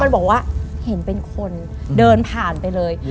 บอกว่าเห็นเป็นคนเดินผ่านไปเลย